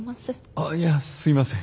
あっいやすいません